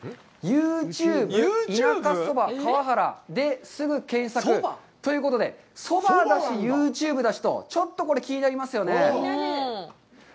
ユーチューブ、田舎そば川原ですぐ検索ということで、そばだし、ユーチューブだしと、ちょっとこれ気になりますよね。